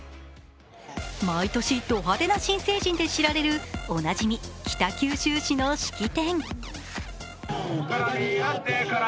毎年ド派手な新成人で知られるおなじみ北九州市の式典。